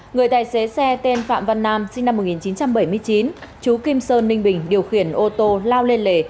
người tài xế xe tên phạm văn nam sinh năm một nghìn chín trăm bảy mươi chín chú kim sơn ninh bình điều khiển ô tô lao lên lề